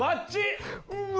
うわ！